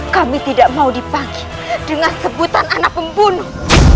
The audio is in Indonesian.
kami tidak mau dipakai dengan sebutan anak pembunuh